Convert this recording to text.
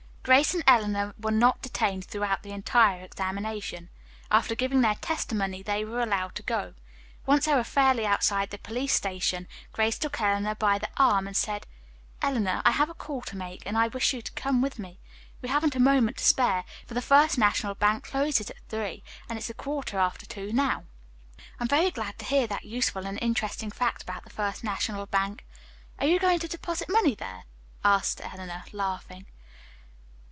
Grace and Eleanor were not detained throughout the entire examination. After giving their testimony, they were allowed to go. Once they were fairly outside the police station, Grace took Eleanor by the arm and said: "Eleanor, I have a call to make, and I wish you to go with me. We haven't a moment to spare, for the First National Bank closes at three, and it's a quarter after two now." "I am very glad to hear that useful and interesting fact about the First National Bank. Are you going to deposit money there!" asked Eleanor, laughing.